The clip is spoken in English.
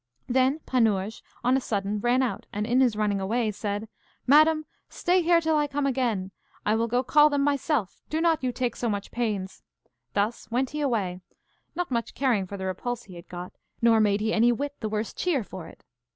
Then Panurge on a sudden ran out, and in his running away said, Madam, stay here till I come again; I will go call them myself; do not you take so much pains. Thus went he away, not much caring for the repulse he had got, nor made he any whit the worse cheer for it.